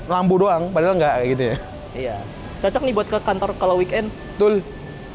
lampu doang pada enggak it ilah secukupnya kantor kalau weekenduisong dia juga udah secretary segar